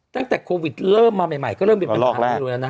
ตั้งแต่โควิดเริ่มมาใหม่ก็เริ่มเป็นปัญหาเดียวแล้วนะ